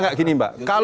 itu gak gini mbak